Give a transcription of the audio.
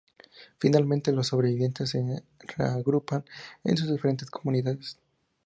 Finalmente, los sobrevivientes se reagrupan en sus diferentes comunidades.